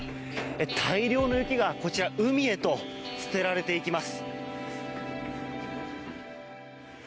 大量の雪が、こちら海へと捨てられていきます。